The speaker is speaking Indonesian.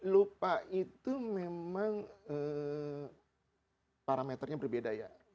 lupa itu memang parameternya berbeda ya